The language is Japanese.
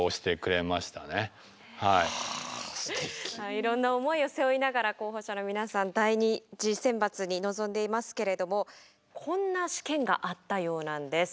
いろんな思いを背負いながら候補者の皆さん第２次選抜に臨んでいますけれどもこんな試験があったようなんです。